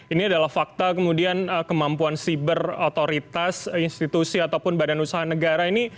ini adalah fakta kemudian kemampuan siber otoritas institusi ataupun badan usaha negara ini